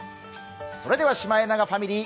それではシマエナガファミリー